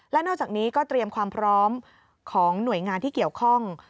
และนอกจากนี้ก็เตรียมความพร้อมของหน่วยงานที่เกี่ยวข้อง